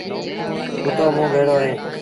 ڪتو موݩ بيڙو اهي